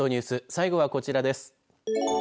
最後はこちらです。